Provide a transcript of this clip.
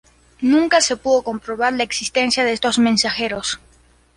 Nunca se pudo comprobar la existencia de estos mensajeros.